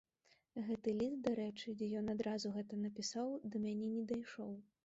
Гэты ліст, дарэчы, дзе ён адразу гэта напісаў, да мяне не дайшоў.